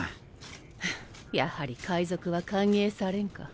フッやはり海賊は歓迎されんか。